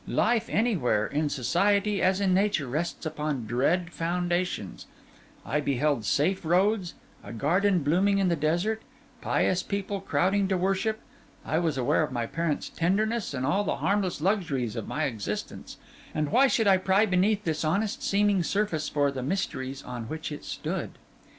Life anywhere, in society as in nature, rests upon dread foundations; I beheld safe roads, a garden blooming in the desert, pious people crowding to worship; I was aware of my parents' tenderness and all the harmless luxuries of my existence; and why should I pry beneath this honest seeming surface for the mysteries on which it stood?